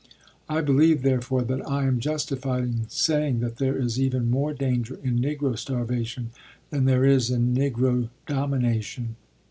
I believe, therefore, that I am justified in saying that there is even more danger in Negro starvation than there is in Negro domination.